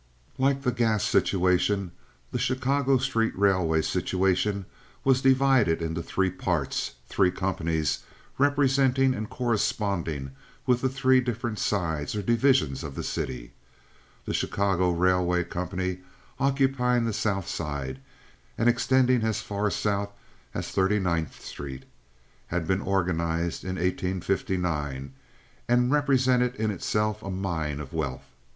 Like the gas situation, the Chicago street railway situation was divided into three parts—three companies representing and corresponding with the three different sides or divisions of the city. The Chicago City Railway Company, occupying the South Side and extending as far south as Thirty ninth Street, had been organized in 1859, and represented in itself a mine of wealth.